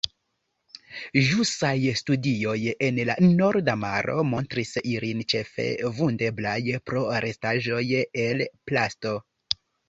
Ĵusaj studioj en la Norda Maro montris ilin ĉefe vundeblaj pro restaĵoj el plasto.